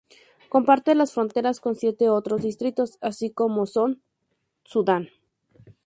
Comparte las fronteras con siete otros distritos, así como con Sudán.